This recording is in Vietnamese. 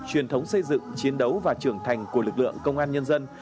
truyền thống xây dựng chiến đấu và trưởng thành của lực lượng công an nhân dân